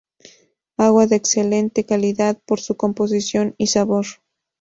Agua de excelente calidad por su composición y sabor.